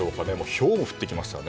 ひょうも降ってきましたね。